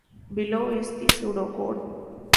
Below is the pseudo-code.